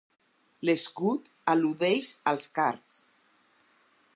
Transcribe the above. L'escut al·ludeix als cards.